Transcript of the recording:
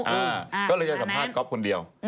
อ่าก็เลยอยากสัมภาษณ์ก๊อบคนเดียว